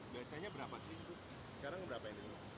biasanya berapa sih bu sekarang berapa ini